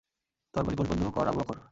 তরবারি কোষবদ্ধ কর আবু বকর।